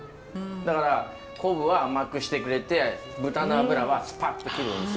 だから昆布は甘くしてくれて豚の脂はスパッと切るんです。